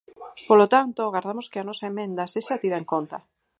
Polo tanto, agardamos que a nosa emenda sexa tida en conta.